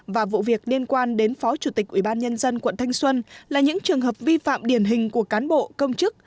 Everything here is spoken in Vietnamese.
và vụ việc liên quan đến phó chủ tịch ủy ban nhân dân quận thanh xuân là những trường hợp vi phạm điển hình của cán bộ công chức